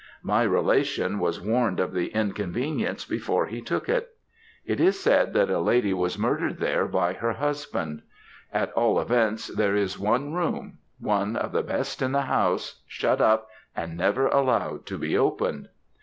My relation was warned of the inconvenience before he took it. It is said that a lady was murdered there by her husband; at all events, there is one room one of the best in the house, shut up, and never allowed to be opened.